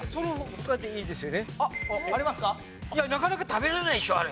なかなか食べられないでしょあれ。